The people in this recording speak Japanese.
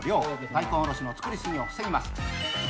大根おろしの作り過ぎを防ぎます。